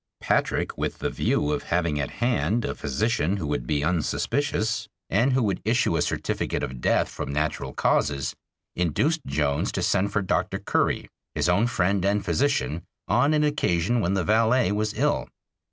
Patrick, with the view of having at hand a physician who would be unsuspicious, and who would issue a certificate of death from natural causes, induced Jones to send for Dr. Curry, his own friend and physician, on an occasion when the valet was ill.